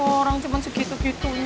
orang cuma segitu gitunya